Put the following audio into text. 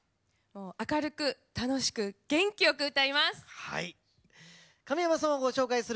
明るく、楽しく、元気よく歌います！